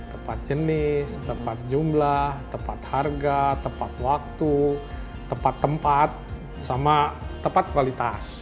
tepat jenis tepat jumlah tepat harga tepat waktu tepat tempat sama tepat kualitas